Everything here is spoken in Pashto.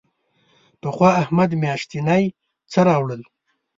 پخوا احمد میاشتنی څه راوړل.